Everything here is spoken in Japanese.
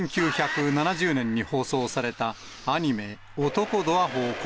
１９７０年に放送されたアニメ、男どアホウ！